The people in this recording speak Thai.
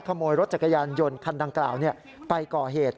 ขโมยรถจักรยานยนต์คันดังกล่าวไปก่อเหตุ